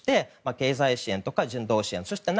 経済支援とか、人道支援ですね。